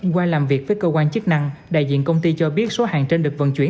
qua làm việc với cơ quan chức năng đại diện công ty cho biết số hàng trên được vận chuyển